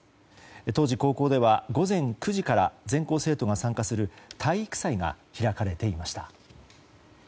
当時、高校では午前９時から全校生徒が参加する体育祭が開かれていました。